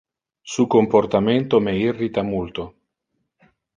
Su comportamento me irrita multo.